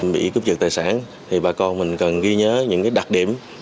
bị cướp giật tài sản bà con cần ghi nhớ những đặc điểm